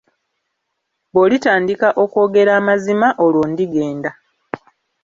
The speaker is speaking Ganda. Bw'olitandika okwogera amazima olwo ndigenda.